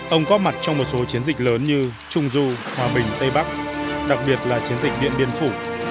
ông cóp mặt trong một số chiến dịch lớn như trung du hòa bình tây bắc đặc biệt là chiến dịch điện biên phủ